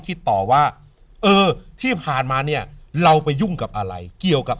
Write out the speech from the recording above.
คิดต่อว่าเออที่ผ่านมาเนี่ยเราไปยุ่งกับอะไรเกี่ยวกับ